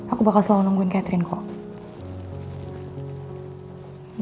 aku bakal selalu nungguin catherine kok